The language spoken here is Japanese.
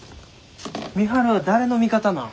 美晴は誰の味方なん？